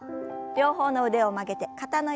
両方の腕を曲げて肩の横へ。